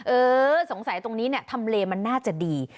เออสงสัยตรงนี้เนี่ยทำเลมันน่าจะดี